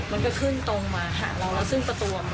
มันก็ขึ้นตรงมาหาเราแล้วซึ่งประตูมัน